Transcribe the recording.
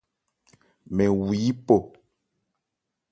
Mɛn wu yípɔ.